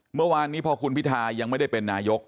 เมื่อวานนี้พอคุณพิทายังไม่ได้เป็นนายก